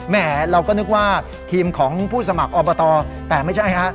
แห่เราก็นึกว่าทีมของผู้สมัครอบตแต่ไม่ใช่ฮะ